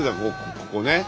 ここね。